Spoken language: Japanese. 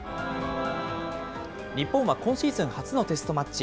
日本は今シーズン初のテストマッチ。